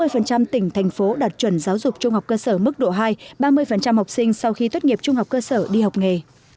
ba mươi tỉnh thành phố đạt chuẩn giáo dục trung học cơ sở mức độ hai ba mươi học sinh sau khi tốt nghiệp trung học cơ sở đi học nghề